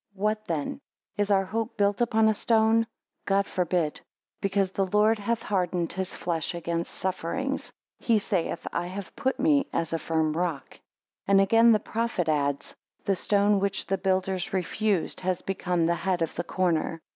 3 What then? Is our hope built upon a stone? God forbid. But because the Lord hath hardened his flesh against sufferings, he saith, I have put me as a firm rock. 4 And again the prophet adds; The stone which the builders refused has become the head of the corner.